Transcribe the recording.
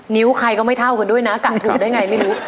นิ้วใครก็ไม่เท่ากันด้วยนะกะถูกได้ไงไม่รู้